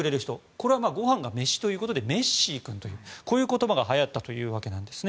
これはご飯がメシということでメッシー君というこういう言葉がはやったというわけです。